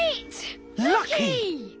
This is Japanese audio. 「ラッキー」だ！